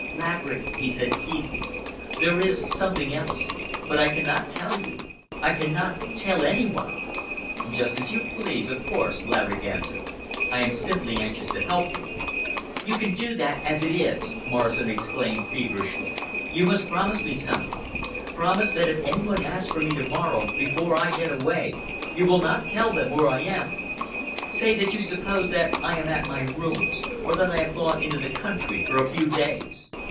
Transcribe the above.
"Laverick," he said feebly, "there is something else, but I cannot tell you—I cannot tell any one." "Just as you please, of course," Laverick answered. "I am simply anxious to help you." "You can do that as it is!" Morrison exclaimed feverishly. "You must promise me something—promise that if any one asks for me to morrow before I get away, you will not tell them where I am. Say you suppose that I am at my rooms, or that I have gone into the country for a few days.